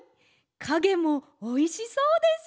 かげもおいしそうです！